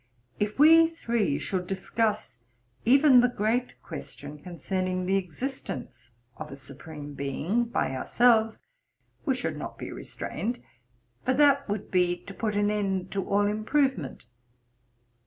If we three should discuss even the great question concerning the existence of a Supreme Being by ourselves, we should not be restrained; for that would be to put an end to all improvement.